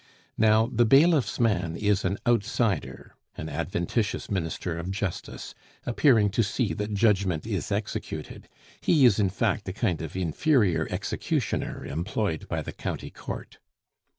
Now, the bailiff's man is an outsider, an adventitious minister of justice, appearing to see that judgment is executed; he is, in fact, a kind of inferior executioner employed by the county court.